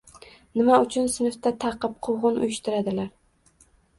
Nima uchun sinfda ta’qib, quvg‘in uyushtiradilar?